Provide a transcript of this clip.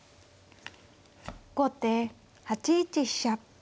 後手８一飛車。